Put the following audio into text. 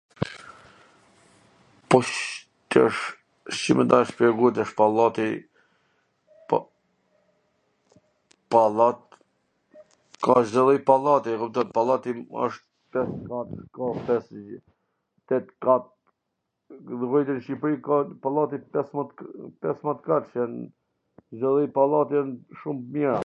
Po C tw... si me ta shpjegu tash, pallati , pallat, ka Cdo lloj pallati, e kupton, tet kat, llogarite qw nw Shqipri ka pallate peswmbwdhjetkatshe, Cdio lloj pallate jan shum t mira.